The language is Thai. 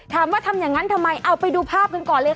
ทำอย่างนั้นทำไมเอาไปดูภาพกันก่อนเลยค่ะ